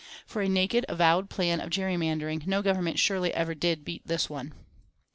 For a naked, avowed plan of gerrymandering no Government surely ever did beat this one.